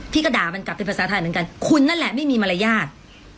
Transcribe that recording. ก็ด่ามันกลับเป็นภาษาไทยเหมือนกันคุณนั่นแหละไม่มีมารยาท